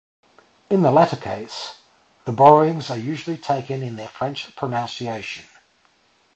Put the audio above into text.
In the latter case, the borrowings are usually taken in their French pronunciation.